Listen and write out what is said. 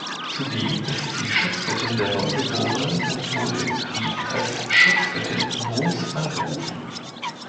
Zudem ist sie Schutzgöttin der Neugeborenen und wurde im Krieg als Schutzgöttin Roms angerufen.